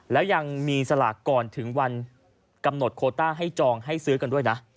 แล้วยังมีสลากก่อนถึงวันกำหนดโคต้าให้จองให้ซื้อกันด้วยนะ